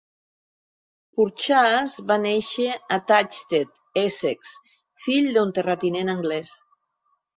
Purchas va néixer a Thaxted, Essex, fill d'un terratinent anglès.